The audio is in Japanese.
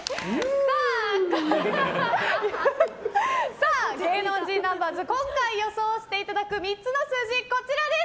さあ、芸能人ナンバーズ今回予想していただく３つの数字、こちらです。